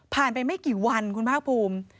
ผ่านไปไม่กี่วันคุณพระภูมิ